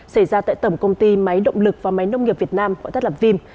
xảy ra tại tổng công ty máy động lực và máy nông nghiệp việt nam gọi tắt lập vim